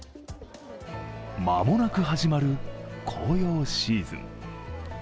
間もなく始まる紅葉シーズン。